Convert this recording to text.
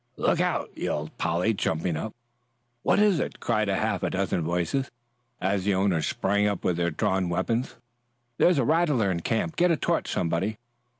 "Look out!" yelled Polly, jumping up. "What is it?" cried half a dozen voices, as their owners sprang up with drawn weapons. "There's a rattler in camp. Get a torch, somebody!"